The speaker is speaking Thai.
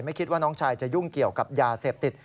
คิดว่าน้องชายจะยุ่งเกี่ยวกับยาเสพติด